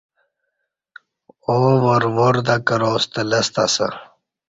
آو وار وار تہ کراستہ لستہ اسہ